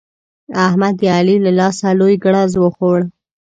احمد د علي له لاسه لوی ګړز وخوړ.